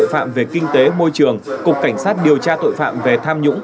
tội phạm về kinh tế môi trường cục cảnh sát điều tra tội phạm về tham nhũng